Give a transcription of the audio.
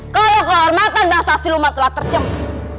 kalau kehormatan bangsa siluman telah terjemah